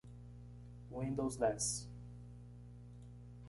Windows dez.